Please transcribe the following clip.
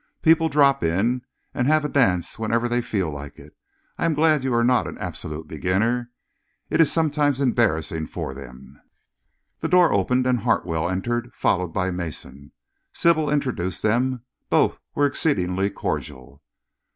"People drop in and have a dance whenever they feel like it. I am glad you are not an absolute beginner. It is sometimes embarrassing for them." The door opened and Hartwell entered, followed by Mason. Sybil introduced them. Both were exceedingly cordial.